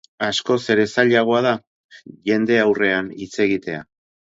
Askoz ere zailagoa da jende aurrean hitz egitea.